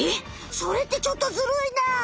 それってちょっとズルいなあ！